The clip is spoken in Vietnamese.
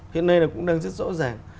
hiện nay nó cũng đang rất rõ ràng